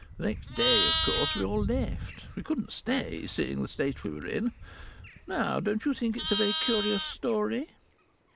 The next day of course we all left. We couldn't stay, seeing the state we were in.... Now, don't you think it's a very curious story?